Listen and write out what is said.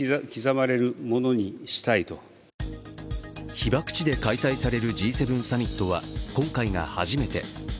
被爆地で開催されるＧ７サミットは今回が初めて。